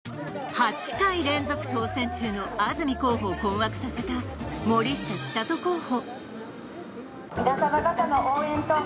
８回連続当選中の安住候補を困惑させた森下千里候補。